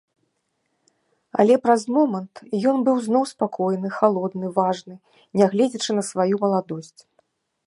Але праз момант ён быў зноў спакойны, халодны, важны, нягледзячы на сваю маладосць.